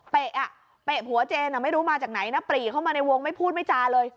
เปะหัวเจนไม่รู้มาจากไหนนะปรีเข้ามาในวงไม่พูดไม่จาเลย